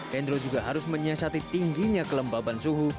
hendro juga harus menyiasati tingginya kelembaban suhu